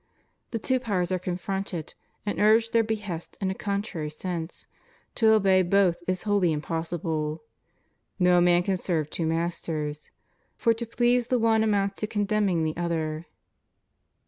The two powers art confronted and urge their behests in a contrary sense; to obey both is wholly impossible. No man can serve two masters,^ for to please the one amounts to contemning the other.